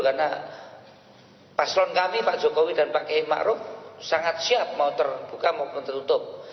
karena paslon kami pak jokowi dan pak hei makruf sangat siap mau terbuka maupun tertutup